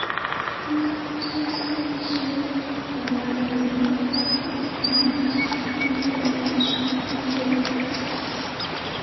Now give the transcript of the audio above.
Ingah Kuteesa wiiki ewedde yawaayo ebimwogerwako ewa Minisita omubeezi ow'ensonga z'ebweru .